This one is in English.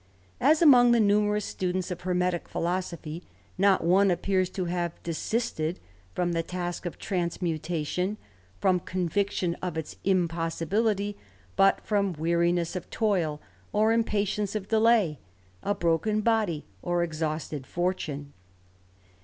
As among the numerous students of Hermetick philosophy, not one appears to have desisted from the task of transmutation, from conviction of its impossibility, but from weariness of toil, or impatience of delay, a broken body, or exhausted fortune.